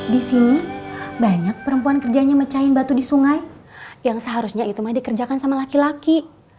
di sini banyak perempuan kerjanya mecahin batu di sungai yang seharusnya itu mah dikerjakan sama laki laki